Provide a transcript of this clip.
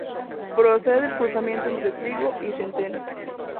Procede del cruzamiento entre trigo y centeno.